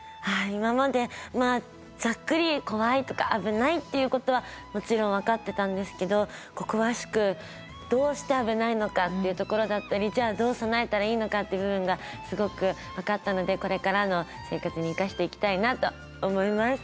今までざっくり「怖い」とか「危ない」っていうことはもちろん分かってたんですけど詳しくどうして危ないのかっていうところだったりどう備えたらいいのかっていう部分がすごく分かったのでこれからの生活に生かしていきたいなと思います。